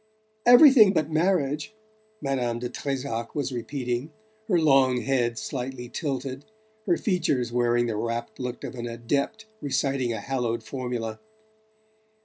"Everything but marriage " Madame de Trezac was repeating, her long head slightly tilted, her features wearing the rapt look of an adept reciting a hallowed formula.